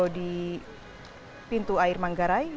di pintu air manggarai